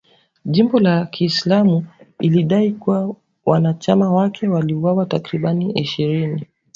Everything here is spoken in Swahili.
Jimbo la Kiislamu ilidai kuwa wanachama wake waliwauwa takribani ishirini